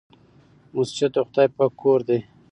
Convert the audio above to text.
مسجد د خدای پاک کور دی.